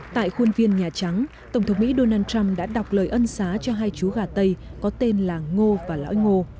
tại khuôn viên nhà trắng tổng thống mỹ donald trump đã đọc lời ân xá cho hai chú gà tây có tên là ngô và lõi ngô